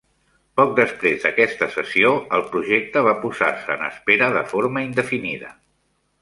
Poc després d'aquesta sessió el projecte va posar-se en espera de forma indefinida.